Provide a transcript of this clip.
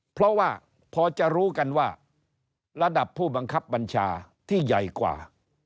เพราะว่าพอจะรู้กันว่าระดับผู้บังคับบัญชาที่ใหญ่กว่า